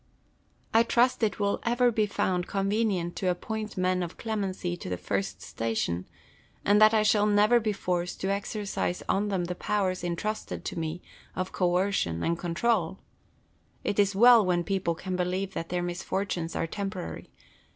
I trust it will ever be found convenient to appoint men of clemency to the first station, and that I shall never be forced to exercise on them the powers entrusted to mo of coercion and control. It is well when people can believe that their misfortunes are temporary.